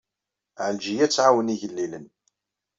Ɛelǧiya ad tɛawen igellilen.